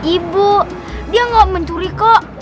ibu dia nggak mencuri kok